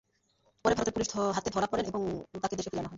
পরে ভারতের পুলিশের হাতে ধরা পড়েন এবং তাঁকে দেশে ফিরিয়ে আনা হয়।